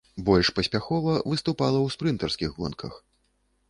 Больш паспяхова выступала ў спрынтарскіх гонках.